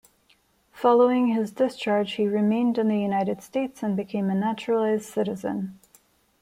Following his discharge, he remained in the United States and became a naturalized citizen.